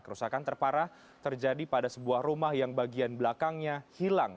kerusakan terparah terjadi pada sebuah rumah yang bagian belakangnya hilang